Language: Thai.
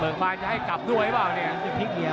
เบิร์กบ้านจะให้กลับด้วยหรือเปล่าเนี่ย